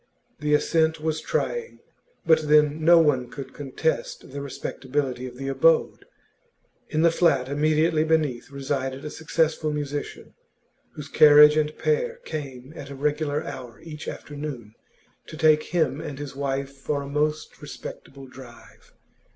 The ascent was trying, but then no one could contest the respectability of the abode. In the flat immediately beneath resided a successful musician, whose carriage and pair came at a regular hour each afternoon to take him and his wife for a most respectable drive.